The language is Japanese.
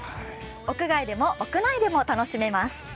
屋外でも屋内でも楽しめます。